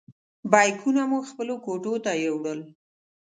بیکونه مو خپلو کوټو ته یوړل.